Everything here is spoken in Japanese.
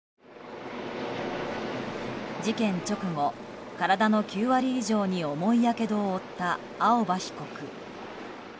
事件直後、体の９割以上に重いやけどを負った青葉被告。